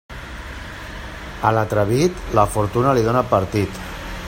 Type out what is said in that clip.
A l'atrevit, la fortuna li dóna partit.